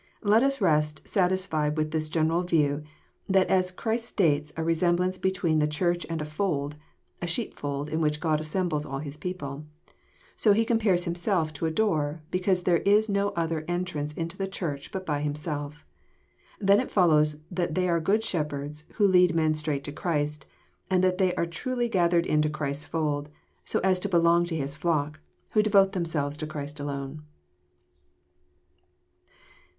Let us rest satisfied with this gen eral view, that as Christ states a resemblance between the Church and a fold, (a sheepfold, in which God assembles all His people,) so He compares Himself to a door, because there is no other en trance Into the Church but by Himself. Then it follows that they are good shepherds, who lead men straight to Christ ; and that they are truly gathered into Christ's fold, so as to belong to His flock, who devote themselves to Christ alone."